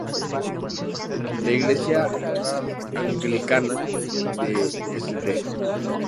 La iglesia anglicana de St.